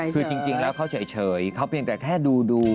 คือจริงแล้วเขาเฉยเขาเพียงแต่แค่ดู